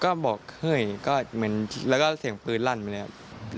ก็บอกเฮ้ยก็เหมือนแล้วก็เสียงปืนลั่นไปเลยครับ